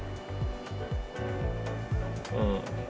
うん。